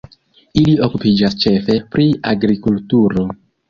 Ili okupiĝas ĉefe pri agrikulturo.